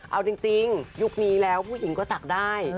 เอาจริงยุคนี้แล้วผู้หญิงก็ศักดิ์ได้